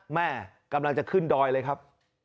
แม่กำลังจะขึ้นดอยเลยครับ